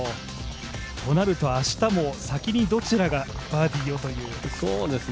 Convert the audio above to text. となると明日も先にどちらがバーディーをという。